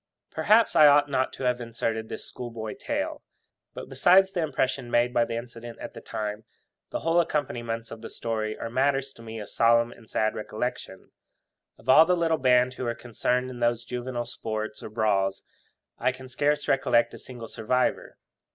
Perhaps I ought not to have inserted this schoolboy tale; but, besides the strong impression made by the incident at the time, the whole accompaniments of the story are matters to me of solemn and sad recollection. Of all the little band who were concerned in those juvenile sports or brawls, I can scarce recollect a single survivor.